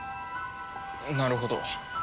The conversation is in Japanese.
なるほど。